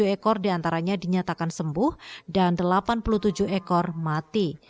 satu dua ratus delapan puluh tujuh ekor diantaranya dinyatakan sembuh dan delapan puluh tujuh ekor mati